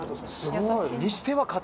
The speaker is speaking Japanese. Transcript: すごい。